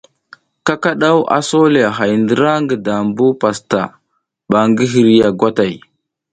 Kakadaw a so le a hay ndra ngi dabu pastaʼa ban gi hirya gwatay.